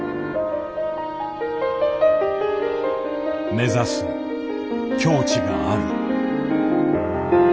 目指す境地がある。